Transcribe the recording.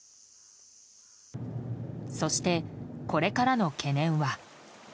そして、これからの懸念は。